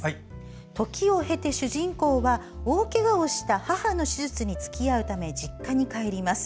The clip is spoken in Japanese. ときを経て主人公は大けがをした母の手術につきあうため実家に帰ります。